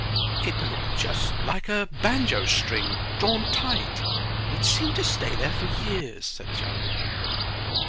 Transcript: "It looked just like a banjo string drawn tight, and it seemed to stay there for years," said Charlie.